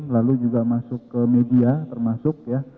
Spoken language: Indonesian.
lalu juga masuk ke media termasuk ya